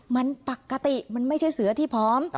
มันปกติมันไม่ใช่เสือที่พร้อม